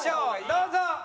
どうぞ。